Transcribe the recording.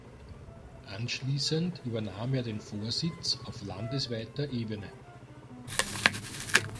Anschließend übernahm er den Vorsitz auf landesweiter Ebene.